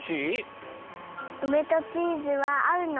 うめとチーズはあうの？